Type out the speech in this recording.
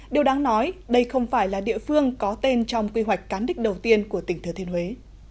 điều đáng nói đây không phải là địa phương có tên trong quy hoạch cán đích đầu tiên của tỉnh thừa thiên huế